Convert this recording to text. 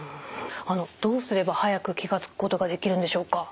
どうすれば早く気が付くことができるんでしょうか？